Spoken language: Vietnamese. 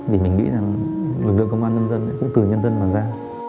thì mình nghĩ rằng lực lượng công an nhân dân cũng từ nhân dân mà ra